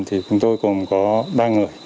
thì chúng tôi cùng có ba người